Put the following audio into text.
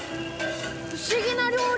不思議な料理。